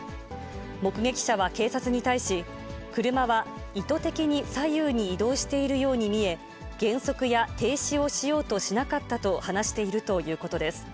目撃者は警察に対し、車は意図的に左右に移動しているように見え、減速や停止をしようとしなかったと話しているということです。